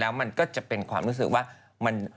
มันก็จะเป็นความรู้สึกว่า